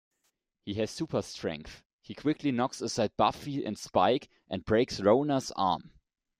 He has super-strength: he quickly knocks aside Buffy and Spike, and breaks Rona's arm.